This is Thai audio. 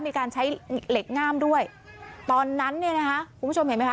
มีการใช้เหล็กง่ามด้วยตอนนั้นเนี่ยนะคะคุณผู้ชมเห็นไหมค